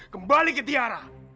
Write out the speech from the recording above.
kembali ke tiara